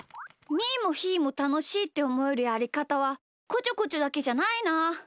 ーもひーもたのしいっておもえるやりかたはこちょこちょだけじゃないな。